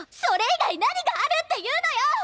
それ以外何があるっていうのよ！